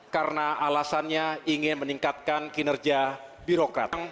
karena alasannya ingin meningkatkan kinerja birokrat